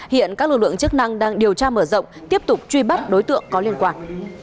hiện các lực lượng chức năng đang điều tra mở rộng tiếp tục truy bắt đối tượng có liên quan